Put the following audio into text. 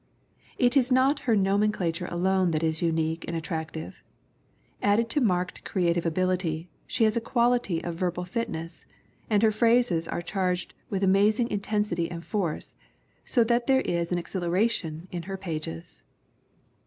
"It is not her nomenclature alone that is unique and attractive. Added to marked creative ability, she has a quality of verbal fitness, and her phrases are charged with amazing intensity and force, so that there is an exhilaration in her pages.